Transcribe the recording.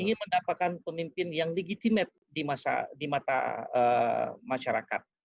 ingin mendapatkan pemimpin yang legitimate di mata masyarakat